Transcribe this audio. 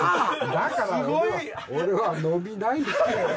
だから俺は伸びないって。